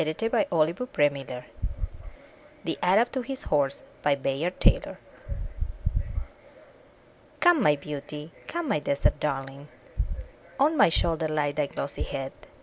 312 UP ONE PAIR OF STAIRS THE ARAB TO HIS HORSE Bayard Taylor Come, my beauty! come, my desert darling! On my shoulder lay thy glossy head!